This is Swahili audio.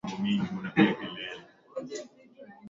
Nitaandika maneno ya kutia moyo